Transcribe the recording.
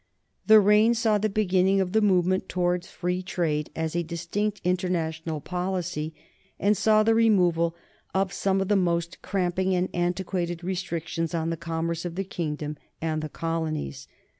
The reign saw the beginning of the movement towards free trade as a distinct international policy, and saw the removal of some of the most cramping and antiquated restrictions on the commerce of the kingdom and the colonies.